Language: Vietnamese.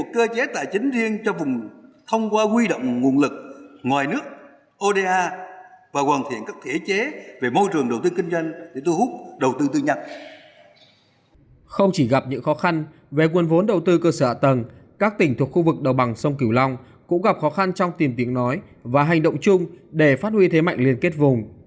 không chỉ gặp những khó khăn về nguồn vốn đầu tư cơ sở hạ tầng các tỉnh thuộc khu vực đầu bằng sông cửu long cũng gặp khó khăn trong tìm tiếng nói và hành động chung để phát huy thế mạnh liên kết vùng